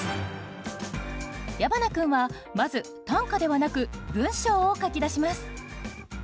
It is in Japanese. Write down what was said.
矢花君はまず短歌ではなく文章を書き出します